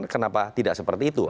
kenapa tidak seperti itu